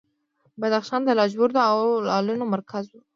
بدخشان د لاجوردو او لعلونو مرکز و